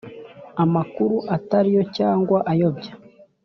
amakuru atariyo cyangwa ayobya